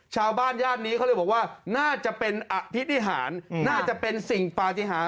ชาวบ้านญาตินี้เขาเลยบอกว่าน่าจะเป็นอธิษฐานน่าจะเป็นสิ่งปลาธิฮาน